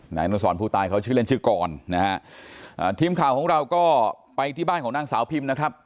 นายอนุสรผู้ตายเขาชื่อเล่นชื่อกรนะฮะอ่าทีมข่าวของเราก็ไปที่บ้านของนางสาวพิมนะครับ